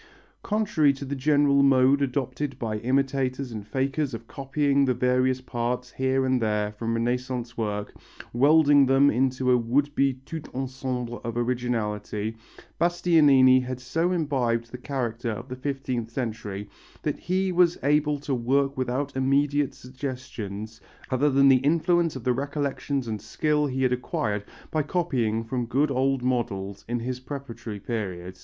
Contrary to the general mode adopted by imitators and fakers of copying the various parts here and there from Renaissance work, welding them into a would be tout ensemble of originality, Bastianini had so imbibed the character of the fifteenth century that he was able to work without immediate suggestions other than the influence of the recollections and skill he had acquired by copying from good old models in his preparatory period.